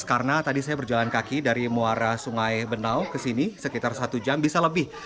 karena tadi saya berjalan kaki dari muara sungai benau ke sini sekitar satu jam bisa lebih